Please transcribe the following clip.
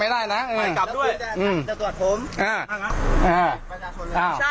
และหมูเก่าตั๋วผม